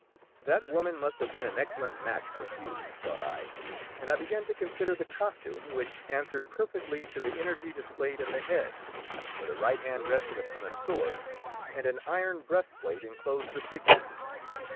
That woman must have been an excellent match for Hugh, thought I, and I began to consider the costume, which answered perfectly to the energy displayed in the head, for the right hand rested upon a sword, and an iron breastplate inclosed the figure.